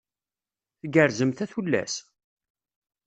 Tgerrzemt a tullas?